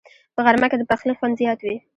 په غرمه کې د پخلي خوند زیات وي